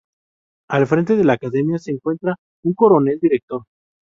Al frente de la academia se encuentra un coronel director.